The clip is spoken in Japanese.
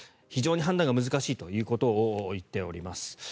非常に判断が難しいということを言っております。